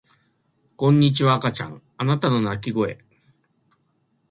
こんにちは赤ちゃんあなたの泣き声